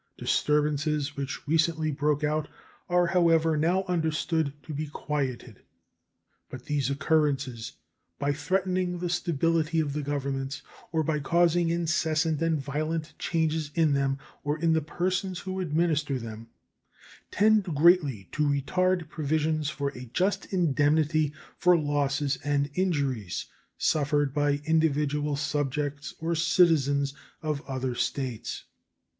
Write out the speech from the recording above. Disturbances which recently broke out are, however, now understood to be quieted. But these occurrences, by threatening the stability of the governments, or by causing incessant and violent changes in them or in the persons who administer them, tend greatly to retard provisions for a just indemnity for losses and injuries suffered by individual subjects or citizens of other states.